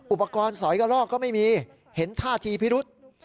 อุปกรณ์สอยกระลอกก็ไม่มีเห็นท่าทีพิรุษ